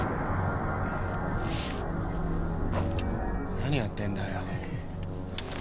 何やってんだよ？